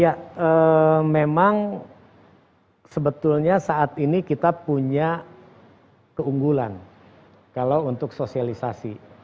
ya memang sebetulnya saat ini kita punya keunggulan kalau untuk sosialisasi